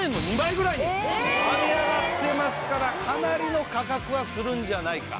特に。にはね上がってますからかなりの価格はするんじゃないか。